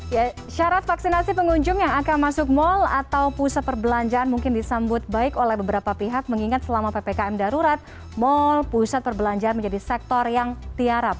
ya syarat vaksinasi pengunjung yang akan masuk mal atau pusat perbelanjaan mungkin disambut baik oleh beberapa pihak mengingat selama ppkm darurat mal pusat perbelanjaan menjadi sektor yang tiarap